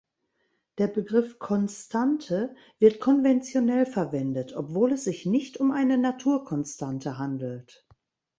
Der Begriff „Konstante“ wird konventionell verwendet, obwohl es sich nicht um eine Naturkonstante handelt.